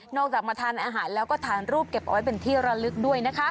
จากมาทานอาหารแล้วก็ถ่ายรูปเก็บเอาไว้เป็นที่ระลึกด้วยนะคะ